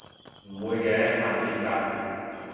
唔會嘅但接近